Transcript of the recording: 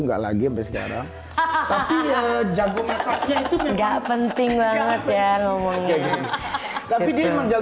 enggak lagi bersejarah hahaha jago masaknya itu nggak penting banget ya ngomong tapi dia suka